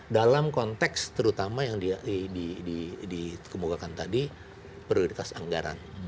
dalam konteks terutama yang dikemukakan tadi prioritas anggaran